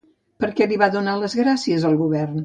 Per què li va donar les gràcies el govern?